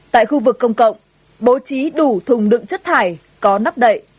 tại khu vực công cộng bố trí đủ thùng đựng chất thải có nắp đậy